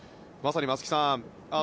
まさに松木さん